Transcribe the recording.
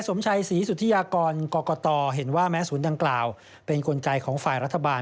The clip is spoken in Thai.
สมชัยศรีสุธิยากรกรกตเห็นว่าแม้ศูนย์ดังกล่าวเป็นกลไกของฝ่ายรัฐบาล